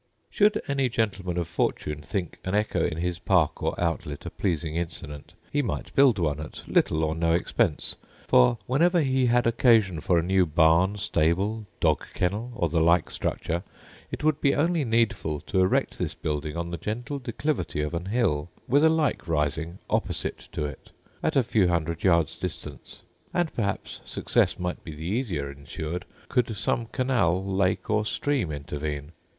Should any gentleman of fortune think an echo in his park or outlet a pleasing incident, he might build one at little or no expense. For whenever he had occasion for a new barn, stable, dog kennel, or the like structure, it would be only needful to erect this building on the gentle declivity of an hill, with a like rising opposite to it, at a few hundred yards distance; and perhaps success might be the easier ensured could some canal, lake, or stream, intervene.